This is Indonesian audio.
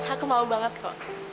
aku mau banget kok